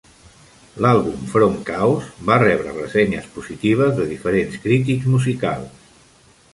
L'àlbum "From Chaos" va rebre ressenyes positives de diferents crítics musicals.